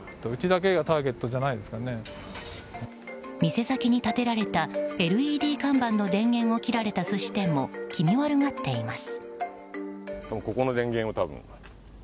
店先に立てられたＬＥＤ看板の電源を切られた寿司店も気味悪がっています。